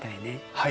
はい。